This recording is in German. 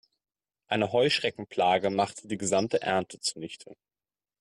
Eine Heuschreckenplage machte die gesamte Ernte zunichte.